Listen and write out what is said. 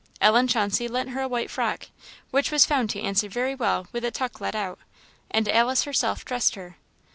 Ellen Chauncey lent her a white frock, which was found to answer very well with a tuck let out; and Alice herself dressed her.